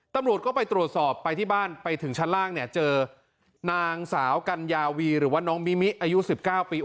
ตำรวจก็ไปตรวจสอบไปที่บ้านไปถึงชั้นล่างเนี่ยเจอนางสาวกัญญาวีหรือว่าน้องมิมิอายุ๑๙ปี